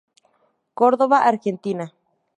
Córdoba, Argentina.